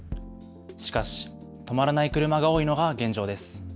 しかし止まらない車が多いのが現状です。